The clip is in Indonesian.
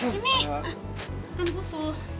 sini kan butuh